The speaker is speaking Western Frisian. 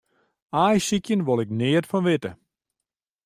Aaisykjen wol ik neat fan witte.